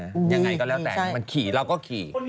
ยังไงก็แล้วแต่มันขี่เราก็ขี่